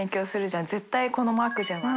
絶対このマークじゃない？